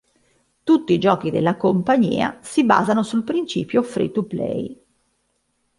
Tutti i giochi della compagnia si basano sul principio free-to-play.